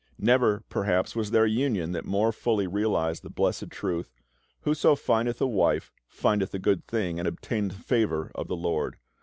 Never, perhaps, was there a union that more fully realised the blessed truth, "Whoso findeth a wife findeth a good thing, and obtaineth favour of the LORD."